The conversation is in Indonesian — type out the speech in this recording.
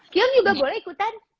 kion juga boleh ikutan